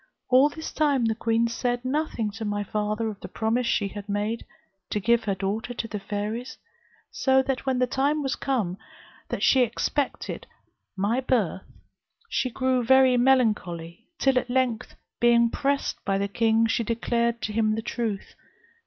All this time the queen said nothing to my father of the promise she had made, to give her daughter to the fairies; so that, when the time was come that she expected my birth, she grew very melancholy; till at length, being pressed by the king, she declared to him the truth.